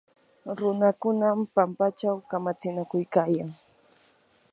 runakunam pampachaw kamatsinakuykayan.